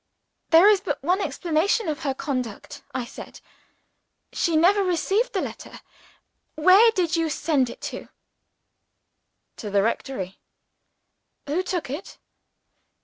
"There is but one explanation of her conduct," I said. "She never received the letter. Where did you send it to?" "To the rectory." "Who took it?"